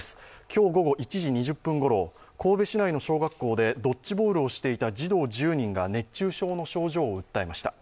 今日午後１時２０分ごろ、神戸市内の小学校でドッジボールをしていた児童１０人が熱中症の症状を訴えました。